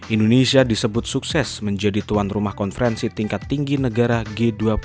indonesia disebut sukses menjadi tuan rumah konferensi tingkat tinggi negara g dua puluh